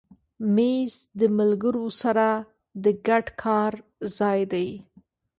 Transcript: مېز د ملګرو سره د ګډ کار ځای دی.